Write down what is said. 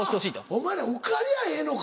お前ら受かりゃええのか。